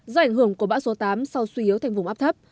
do ảnh hưởng của bão số tám sau suy yếu thành vùng áp thấp